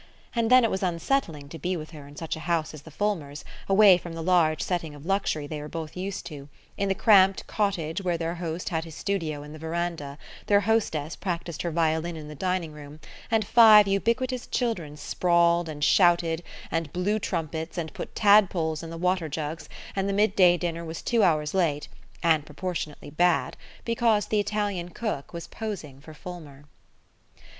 And then it was unsettling to be with her in such a house as the Fulmers', away from the large setting of luxury they were both used to, in the cramped cottage where their host had his studio in the verandah, their hostess practiced her violin in the dining room, and five ubiquitous children sprawled and shouted and blew trumpets and put tadpoles in the water jugs, and the mid day dinner was two hours late and proportionately bad because the Italian cook was posing for Fulmer.